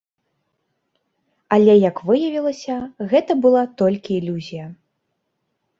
Але як выявілася, гэта была толькі ілюзія.